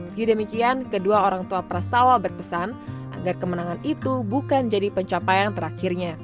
sedikit demikian kedua orang tua pras tawa berpesan agar kemenangan itu bukan jadi pencapaian terakhirnya